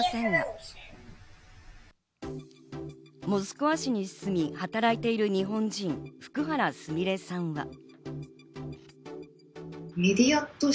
モスクワ市に住み働いている日本人・福原すみれさんは。